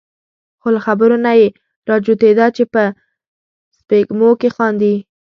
خو له خبرو نه یې را جوتېده چې په سپېږمو کې خاندي.